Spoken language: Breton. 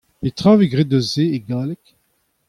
Petra a vez graet eus se e galleg ?